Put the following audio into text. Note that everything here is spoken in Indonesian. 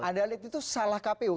anda lihat itu salah kpu